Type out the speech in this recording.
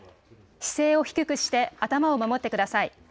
姿勢を低くして頭を守ってください。